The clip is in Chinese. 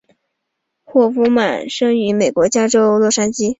霍夫曼出生于美国加州洛杉矶。